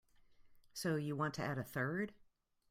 So you want to add a third?